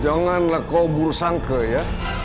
janganlah kau bersangka ya